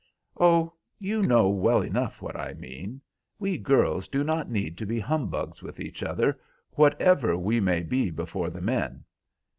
"Oh, you know well enough what I mean. We girls do not need to be humbugs with each other, whatever we may be before the men.